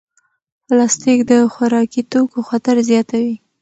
پلاستیک د خوراکي توکو خطر زیاتوي.